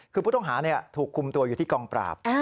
คือผู้ต้องหาถูกคุมตัวอยู่ที่กองปราบ